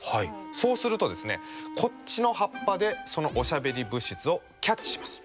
そうするとこっちの葉っぱでそのおしゃべり物質をキャッチします。